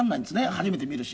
初めて見るし。